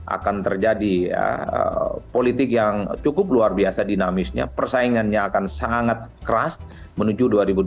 akan terjadi politik yang cukup luar biasa dinamisnya persaingannya akan sangat keras menuju dua ribu dua puluh